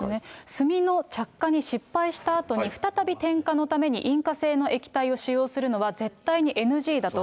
炭の着火に失敗したあとに、再び点火のために引火性の液体を使用するのは絶対にＮＧだと。